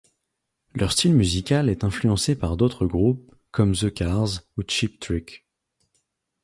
Leur style musical est influencé par d'autres groupes, comme The Cars ou Cheap Trick.